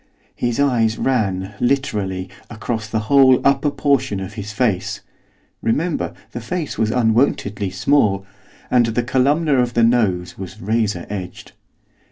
His eyes ran, literally, across the whole of the upper portion of his face, remember, the face was unwontedly small, and the columna of the nose was razor edged.